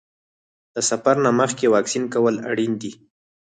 د سفر نه مخکې واکسین کول اړین دي.